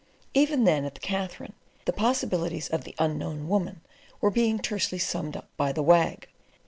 Even then, at the Katherine, the possibilities of the Unknown Woman were being tersely summed up by the Wag.